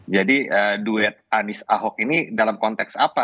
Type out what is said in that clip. jadi duet anies ahok ini dalam konteks apa